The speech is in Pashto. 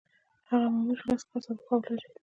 هغه مامور چې لس کاله سابقه ولري.